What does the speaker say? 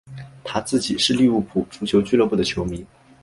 他自己是利物浦足球俱乐部的球迷。